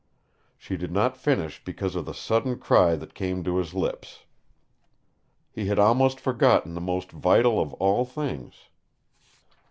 She did not finish because of the sudden cry that came to his lips. He had almost forgotten the most vital of all things.